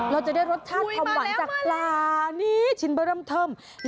เราจะได้รสชาติผัวหวานจากกล่าวนี่ชิ้นกดล่มถึง